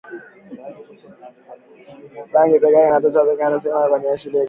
Bangi pekee itatosheleza bajeti nzima ya Kenya ya shilingi Trilioni tatu